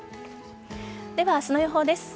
では、明日の予報です。